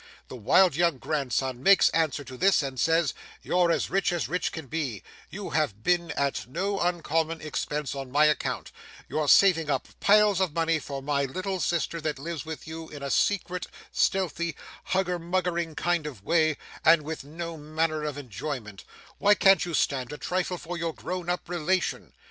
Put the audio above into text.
The wild young grandson makes answer to this and says, "You're as rich as rich can be; you have been at no uncommon expense on my account, you're saving up piles of money for my little sister that lives with you in a secret, stealthy, hugger muggering kind of way and with no manner of enjoyment why can't you stand a trifle for your grown up relation?"